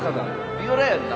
ヴィオラやんな。